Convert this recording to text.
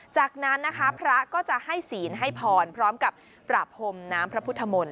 จากนั้นนะคะพระก็จะให้ศีลให้พรพร้อมกับประพรมน้ำพระพุทธมนต